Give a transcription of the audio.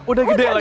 udah gede lagi